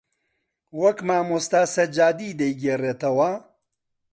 وەک مامۆستا سەجادی دەیگێڕێتەوە